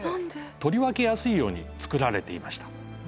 取り分けやすいように作られていました。